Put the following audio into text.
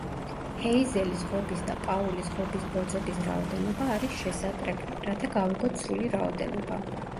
ჰეიზელის ღობის და პაულის ღობის ბოძების რაოდენობა არის შესაკრები, რათა გავიგოთ სრული რაოდენობა.